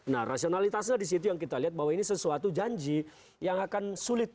nah rasionalitasnya disitu yang kita lihat bahwa ini sesuatu janji yang akan sulit